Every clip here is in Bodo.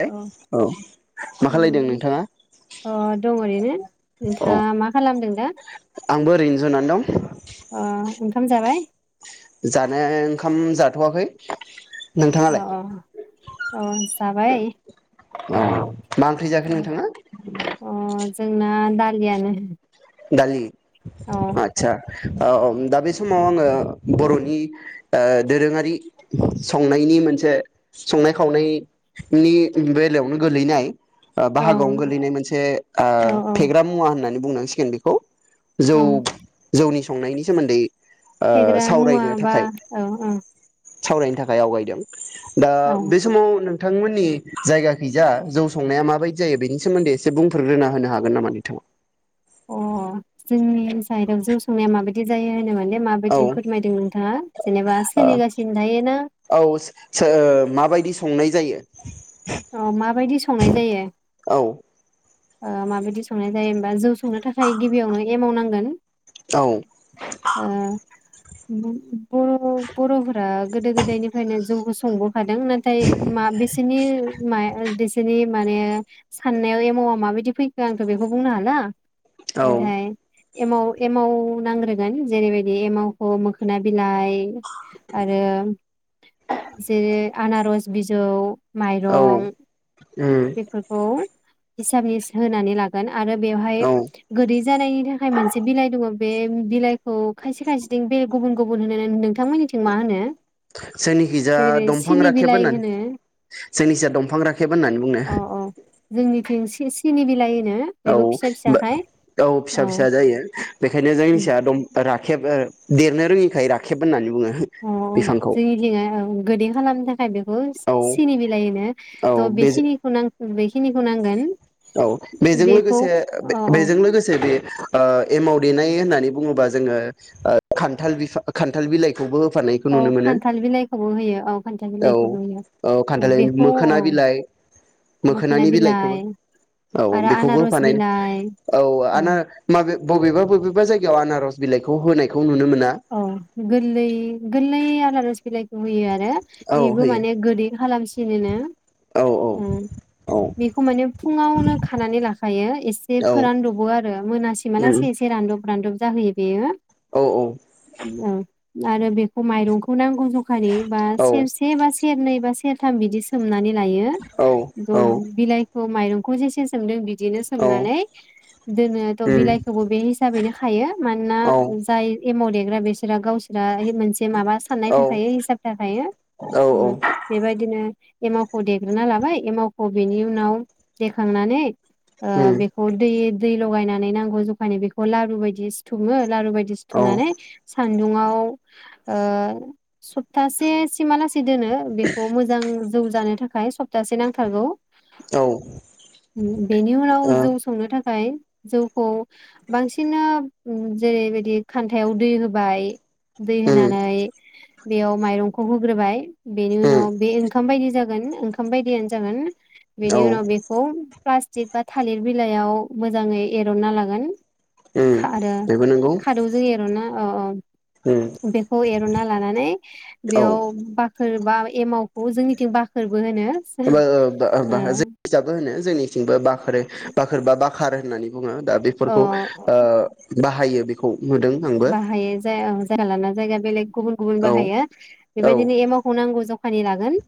औ अ मा खालायदों उम नोंथाङा अ दं ओरैनो अ नोंथाङा मा खालामदों दा? आंबो ओरैनो जनानै दं अ ओंखाम जाबाय? जाना ओंखाम जाथवाखै अ नोंथाङालाय औ अ जाबाय उम मा ओंख्रि जाखो अ नोंथाङा? जोंना दालियानो दालि औ आतसा ओम दा बे समाव आङो बरनि ओ दोरोङारि संनायनि मोनसे संनाय खावनायनि बेलायावनो गोलैनाय ओ औ बाहागोआवनो गोलैनाय मोनसे ओ औ औ फेग्रा मुवा होननानै बुंनांसिगोन बे खौ जौ औ जौनि संनायनि सोमोन्दै ओ फेग्रा मुवा सावरायनो बा थाखाय औ औ सावरायनो थाखाय आवगायदों। दा औ बे समाव नों थांमोननि जायगाखैजा जौ संनाया माबायदि जायो बेनि सोमोन्दै एसे बुंफोरोग्रोना होनो हागोन नामा नोंथाङा? अ जोंनि साइदाव जौ संनाया माबायदि जायो नो माने माबायदि औ फोरमायदों नोंथाङा जेनेबा सोलिगासिनो थायोना औ सो माबायदि संनाय जायो? औ माबायदि संनाय जायो? औ ओ माबायदि संनाय जायो होनबा जौ संनो थाखाय गिबियावनो एमाव नां औ [unintelligible] ओ बर' बर'फोरा गोदो गोदायनिफ्रायनो जौखौ संबोखादों नाथाय मा बिसोरनि माय बिसोरनि माने साननायाव एमावा माबायदि फैखो आंथ' बेखौ बुंनो हाला औ नाथाय एमाव एमाव नांग्रोगोन जेरैबायदि एमावखौ मोखोना बिलाइ आरो जेरै आनारस बिजौ औ रं उम बेफोरखौ हिसाबनि होनानै लागोन आरो बेवहाय औ गोदै जानायनि थाखाय मोनसे बिलाइ दङ बे बिलाइखौ खायसे खायसेथिं बेल गुबुन गुबुन होनो नोंथांमोननिथिं मा होनो जोंनिखिजा जेरैबायदि दंफां सिनि राखेब बिलाइ होनना होनो जोंनिसा दंफां राखेब होननानै बुंनो थिं सि-सिनि बिलाइ होनो औ बेखौ फिसा फिसाखाय औ औ फिसा फिसा जायो बेखायनो जोंनि सा दं राखेब ओ देरनो रोङिखाय राखेब होननानै बुङो अह बिफांखौ जोंङिथिं ओ गोदि खालामनो थाखाय बे खौ औ सिनि बिलाइ होनो औ थह बे बेखिनिखौनो आं बेखिनिखौ नांगोन औ बेजों बेखौ लोगोसे औ औ बेजों लोगोसे बे ओ एमाव देनाय होननानै बुङोबा जोङो ओ खान्थाल बिफा खान्थाल बिलाइखौबो होफानायखौ औ नुनो मोनो खान्थाल बिलाइखौबो होयो औ खान्थाल औ बिलाइखौबो होयो औ खान्थालाय बेखौ औ मोखोना बिलाइ मोखोना मोखोनानि बिलाइ बिलाइखौबो औ आरो बेखौबो आनारस होफानाय बिलाइ औ आना माब बबेबा बबेबा जायगायाव आनार बिलाइखौ होनायखौ नुनो मोन औ गरलै गरलै आनारस बिलाइ होयो आरो औ बेबो होयो माने गोदै खालामसिनोनो औ ओ औ बेखौ माने फुङावनो खानानै लाखायो एसे औ फोरानदबो आरो औ मोनासेमालासे एसे रानदब रानदब जाहोयो बेयो उम औ आरो बेखौ माइरंखौ नां गौ ज'खानि बा औ सेरसे बा से सेरनै बा सेरथाम बिदि सोमनानै लायो औ ज औ बिलाइ खौ माइरंखौ जेसे सोमदों बि दिनो औ सोमनानै दोनोआथ' उम बिलाइखौबो बे हिसाबैनो खायो मानोना औ जाय एमाव देग्रा बेस्रा गावस्रा मोनसे माबा साननाय औ थाखायो हिसाब थाखायो उम बेबायदिनो एमावखौ देग्रोना लाबाय एमावखौ बेनि उनाव देखांनानै ओ औ बेखौ दै दै लगायनानै नांगौ जखानि बेखौ लारु बायदि सिथुमो लारु बायदि थुमनानै सान दुंआव ओ सबथासे सिमालास सै दोनो बेखौ मोजां जौ जानो थाखाय सप्तासे नांथारगौ। उम औ ओ उम बेनि उनाव जौ संनो थाखाय जौखौ बांसिना जेरैबायदि खान्थायाव दै होबाय दै उम होनानै बेयाव माइरंखौ होग्रोबाय बेनि उम उनाव बे ओंखाम बायदि जागोन ओंखाम बायदियानो जागोन औ बेनि उनाव बेखौ प्लास्टिक बा थालिर बिलाइयाव मोजाङै एरनना लागोन। उम बेबो नोंगौ। खारौ जों एरनना औ औ। बेखौ एरनना लानानै औ बेयाव बाखोर बा एमावखौ जोंनिथिं बाखोरबो होनो। [unintelligible] जों बिजाबो होनो जोंनिथिंबो बाख्रो बाखोर बा बा खार होननानै बुङो दा अ बेफोरखौ ओ बा हायो बेखौ नुदों आंबो बाहायो जाया जायगा लाना जायगा बेलेग गुबुन गुबुन औ बाहायो औ बेबायदिनो एमावखौ नांगौ ज फानि लागोन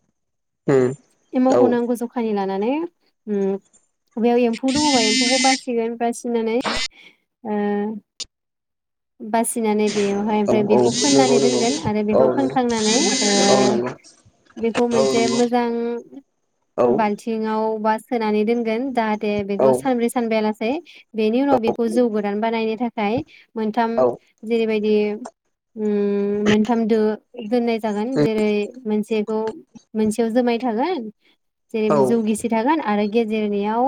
उम [inaudible] औ एमावख नांगौ जखानि ला माने उम। [unintelligible] एम्फौ दङोबा एम्फौखौ बासिगोन बास नानै ओ बासिनानै बेवहाय औ ओमफ्राय औ बेखौ नंगौ फाननानै नंगौ दोनगोन आरो औ बेखौ नंगौ फानखांनानै ओ औ नंगौ बेखौ औ मोनसे नंगौ मोजां औ बालथिङाव बा सोनानै दोनगोन। जाहाथे बेखौ औ सानब्रै सानबायालास बे बेनि उनाव बेखौ जौ गोरान बानायनो थाखाय मोन्थाम जेरैबायदि उमह मोनथाम दो दोननाय जा जागोन जेरै मोनसे थौ मोनसेयाव जोमाय थागोन औ जेरै जौ गिसि थागोन आरो गेजेरनियाव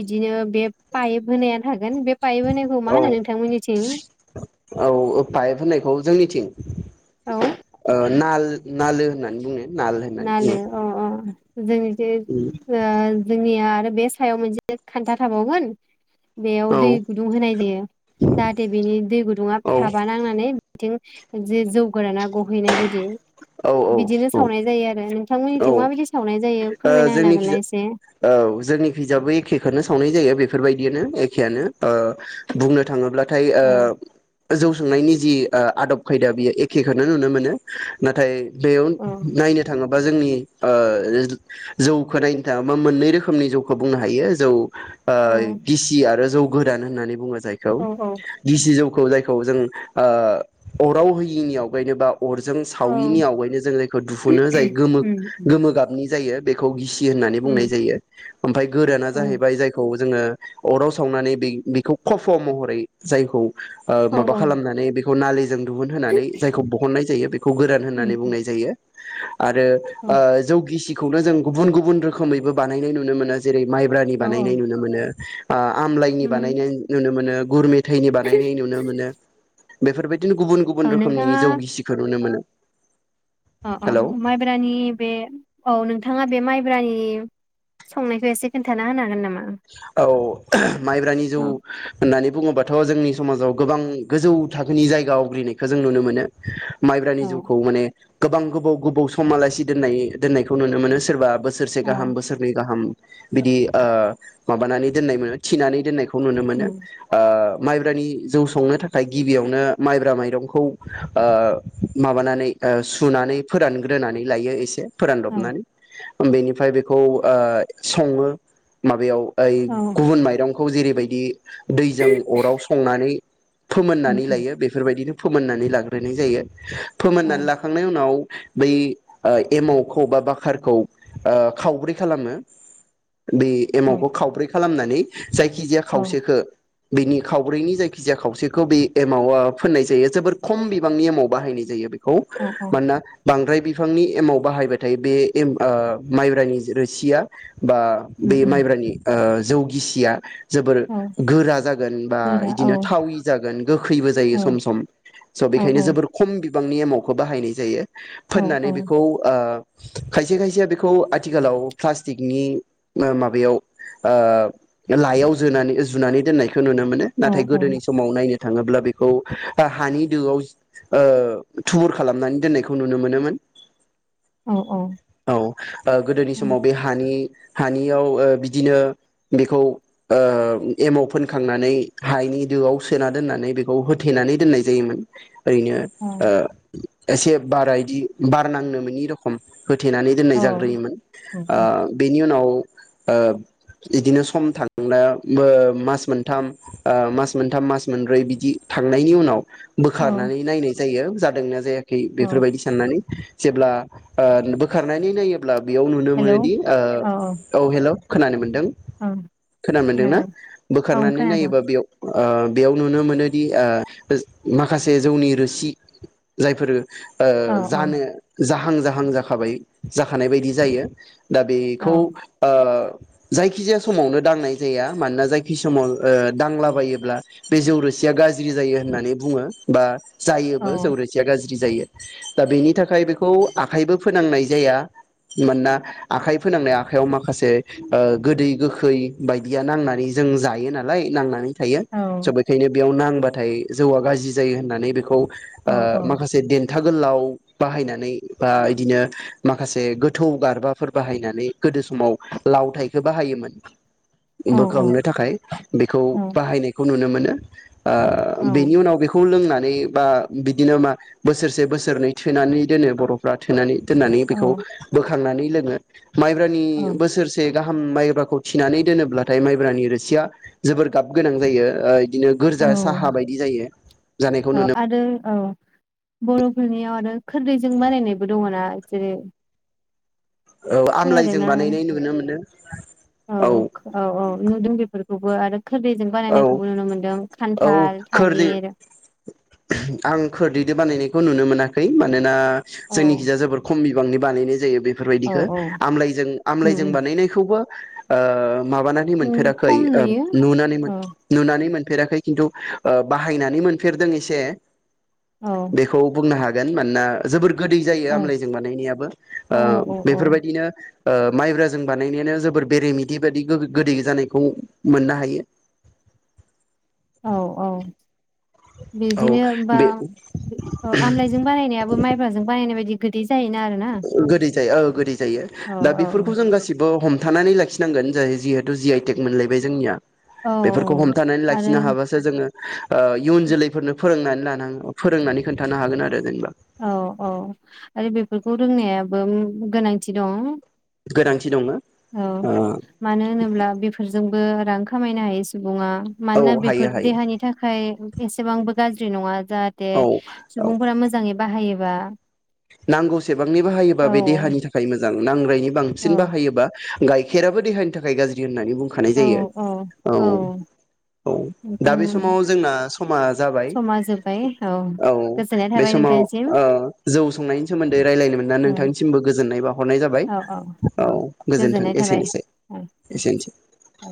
बिदिनो बे पाइप होनाया थागोन बे पाइप होनायखौ मा औ होनो नोंथांमोननिथिं? औ पाइप होननायखौ जोंनिथिं औ ओ नाल ओ नालो होननानै बुङो। नाल होननानै नालो बुङो अ अ। जोंनिथिं उम ओ जोंनि आरो बे सायाव मोनसे खान्था थाबावगोन बेयाव औ दै गुदुं होनाय जायो जाहाथे बेनि दै गुदुङा औ थाबा नांनानै थिं जि जौ गोराना गहैनाय बायदि। औ औ बिदिनो औ। सावनाय जायो आरो औ ओ नोंथांमोननिथिं माबायदि सावनाय जायो फोरमायना होनो हागोन ना जोंनिखिजा एसे औ जोंनिखिजाबो एखेखोनो सावनाय जायो बे बेफोरबायदियानो एखेयानो ओ बुंनो थाङोब्ला थाय ओ औ गोजौ सोंनायनि जि आ आदब खायदा बियो एखेखोनो नुनो मोनो। नाथाय बेयाव औ नायनो थाङो बा जोंनि ओ जौखो नायनो थाङोबा मोननै रोखोमनि जौखौ बुंनो हायो। जौ ओ औ गिसि आरो जौ गोरान होननानै बुङो। जायखौ औ गिसि जौ जायखौ जों ओ अराव होयिनि आवगायनो बा अरजों औ साविनि आवगायनो जों जायखौ दुहुनो जाय उम उम गोमो गाबनि जायो बेखौ गिसि होननानै बुंनाय उम जायो। ओमफ्राय गोराना औ जाहैबाय जायखौ जोङो अराव सावनानै बेखौ खफ महरै जायखौ ओ औ माबा औ खालामनानै [unintelligible] जों दिहुन होननानै जायखौ बहननाय जायो। गोरान होननानै उम बुंनाय जायो। आरो औ ओ जौ गिसि खौनो जों गुबुन गुबुन रोखोमैबो बानायनाय नुनो मोनो। जेरै माइब्रानि औ औ बानायनाय नुनो मोनो। ओ आमलाइनि उम बानायनाय नुनो मोनो। गुर दैनि बानायनाय नुनो मोनो। बेफोरबायदि नो गुबुन गुबुन औ रोखोमनि नोंथाङा जौ गिसिखौ नुनो मोनो। अ अ हेलौ माइब्रानि बे औ नों थाङा बे माइब्रानि संनायखौ एसे खोन्थाना होनो हागोन नामा? औ माइब्रानि जौ औ होननानै बुङोबाथ' जोंनि समाजाव गोबां गोजौ थाखोनि जायगा आवग्रिनायखौ जों नुनो मोनो। औ माइब्रानि जौखौ माने गोबां गोबाव गोबाव समआलासि दोननाय दोननायखौ नुनो मोनो सोरसा बोसोरसे औ गाहाम बोसोरनै गाहाम बिदि ओ माबानानै दोननाय मोनो थिनानै दोननायखौ नुनो मोनो। उम ओ माइब्रानि जौ संनो थाखाय गिबियावनो माइब्रा माइरंखौ ओ माबानानै सुनानै फोरानग्रोनानै लायो एसे औ फोरानदबनानै बेनिफ्राय बेखौ ओ सङो माबायाव ओइ औ गुबुन माइरं खौ जेरैबायदि दैजों अराव संनानै उम फोमोननानै उम लायो बेफोरबायदिनो फोमोननानै लाग्रोनाय जायो। औ फोमोननानै लाखांनाय उनाव। बै ओ एमावखौ बा बाखारखौ ओ खावब्रै खालामो। बि औ एमावखौ खालामनानै जायखिजाया औ खावसेखो बेनि खावब्रैनि जायखिजाया खावसेखौ बे एमाव फोननाय जायो जोबोर खम बिबांनि एमाव बाहायनाय जायो बे खौ औ औ मानोना बांद्राय बिफांनि एमाव बाहायबाथाय बे एम ओ माइब्रानि रोसिया बा उम बै उम माइब्रानि ओ जौगिसिया जोबोर औ गोरा जागोन बा गोरा औ इदिनो थावि जागोन गोखैबो जायो औ सम सम स' औ औ बेखायनो औ जोबोर खम बि बिबांनि एमावखो बाहायनाय जायो। औ फोननानै बेखौ ओ खायसे खायसेया बेखौ आथिखालाव प्लास्टिकनि ओ माबायाव ओ लायाव जोनानै जुनानै दोननाय नुनो मोनो औ नाथाय औ गोदोनि समाव नायनो थाङोब्ला बेखौ बा हानि दोआव ओ थुबुर खालामनानै दोननायखौ नुनो मोनोमोन। औ ओ गोदोनि उम समाव बे हानि हानियाव ओ बि दिनो बेखौ ओ एमाव फोनखांनानै हायनि दोआव सोना दोननानै बेखौ होथेनानै दोननाय जायोमोन। यैनो औ ओ एसे बारा इदि बार नांनो मोनि रखम। होथेनानै दोननाय औ जाग्रोयोमोन उम उम ओ बेनि उनाव‌ ओ इदिनो सम थांनो मो मास मोनथाम ओ मास मोनथाम मास मोनब्रै बिदि थांनायनि उनाव औ बोखारनानै नायनाय जायो जादोंना जाया खै औ बेफोरबायदि साननानै। जेब्ला ओ बोखारनानै नायो। ब्ला बेयाव नुनो हेलौ मोनोदि औ हेलौ, खोनानो मोन दों ओं खोन मोनदोंना खोनादों औ बोखारनानै खोनादों नायोबा बेयाव ओ बेयाव नुनो मोनोदि ओ बोस माखासे जौनि रोसि जायफोरो ओ औ जानो जा हां जाहां जाखाबाय जाखानाय बायदि जायो। दा औ बेखौ ओ। जायखिजाया समावनो दांनाय जाया। मानोना जायखि समाव ओ दांलाबायोब्ला बे जौरोसिया गाज्रि जायो होननानै बुङो बा जायोबो जौरोसिया गाज्रि। जि जायो दा बेनि थाखाय बेखौ आखाइबो फोनांनाय जाया। मानोना आखाइ फोनांनाय आखायाव माखासे ओ गोदै गोखै बायदिया नांनानै जों जायो नालाय नांनानै थायो औ स' बेखायनो बेयाव नाङ बाथाय जौआ गाजि जायो होननानै बेखौ ओ औ माखासे दिन था गोलाव बाहायनानै बा इदिनो माखासे गोथौ गारबाफोर बाहायनानै गोदो समाव लावथाइखो बाहायोमोन। बोखांनो औ थाखाय बेखौ बाहायनायखौ नुनो मोन‌ नो ओ औ बेनि उनाव बेखौ लोंना नै बा बिदिनो मा बोसोरसे बोसोरनै थोनानै दोनो बर'फ्रा थोनानै दोननानै औ बेखौ बोखांनानै लोङो। माइब्रानि औ बोसोरस गाहाम माइब्राखौ थिनानै दोनोब्लाथाय माइब्रानि रोसिया जोबोर गाब गोनां जायो ओ दिनो औ गोरजा साहा बायदि जायो औ जानायखौ नुनो आरो औ बर'फोरनियाव आरो खोरदैजों बानायनायबो दङना जेरै औ आमलाइजों खोनादोना बानायनाय नुनो मोनो नोंथां औ औ औ नुदों बेफोर खौबो आरो खोरदैजों औ बानायनायखौबो नुनो मोन्दों औ खान्थाल, खोरदै थालिर दो बानायनायखौ नुनो मोनाखै मानोना औ जोंनि खिजा जोबोर खम बि बांनि बानायनाय जायो। औ बेफोरबायदिखौ औ आमलायजों आमलायजों उम बानायनायखौबो ओ माबानानै उम मोनफेराखै खम ओब नुयो नुनानै मोन औ नुनानै मोन फेराखै खिन्थु ओ बाहायनानै मोनफेरदों एसे। औ बेखौ बुंनो हा गोन मानोना जोबोर गोदै जायो औ आमलायजों बानायनायाबो औ ओ औ बेफोरबायदिनो ओ माइब्राजों बानायनायानो जोबोर बेरेमिदि बायदि गो-गो-गोदै जानायखौ मोननो हायो। औ औ। औ बिदिनो ओमबा बे बि ओ आमलायजों बानायनायाबो माइब्राजों बानायनाय बायदि गोदै जायोना आरोना गोदै जायो ओ गोदै जायो औ दा बेफोरखौ जों गासिबो हम थानानै लाखिनांगोन जाय जिहेथु जि आइ टेक मोनलायबाय जोंनिया। औ बेफोरखौ हमथानानै आरो लाखिनो हाबासो जोङो ओ इयुन जोलैफोरनो फोरोंनानै लानां अ फोरोंनानै खोन्थानो हागोन आरो जेनेबा। खौ रोंनायाबो उम गोनांथि दं। गोनांथि दङ औ ओ मानो होनोब्ला बेफोरजों बो रां खामायनो हायो सुब बुङा औ मानोना हायो बेफोर हायो देहानि थाखाय एसेबांबो गाज्रि नङा जाहाथे औ औ सुबुंफोरा मोजाङै बाहायोबा नांगौसेबांनि बाहायोबा औ बे देहानि थाखाय मो जां नांरायनि औ बांसिन बाहायोबा गाइखेराबो देहानि थाखाय गाज्रि होननानै बुंखानाय औ जायो औ औ औ दा नोंथां बे समाव जोंना समा जाबाय समा जोब्बाय औ गोजोननाय बे थाबाय समाव नोंथांसिम ओ जौ संनायनि सोमोन्दै रायलायनो मोनना औ नोंथांनिसिमबो गोजोननाय बावहरनाय जाबाय औ औ गोजोन्थों गोजोननाय थाबाय एसेनोसै औ एसेनोसै। औ।